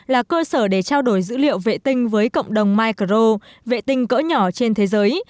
là cơ sở để trao đổi dữ liệu vệ tinh với cộng đồng micro vệ tinh cỡ nhỏ trên thế giới